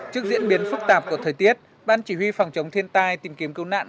trước diễn biến phức tạp của thời tiết ban chỉ huy phòng chống thiên tai tìm kiếm cứu nạn